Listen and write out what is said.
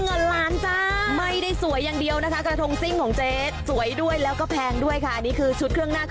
เอาเดี๋ยวลองดูก็แล้วกันค่ะ